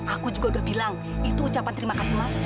aku juga udah bilang itu ucapan terima kasih mas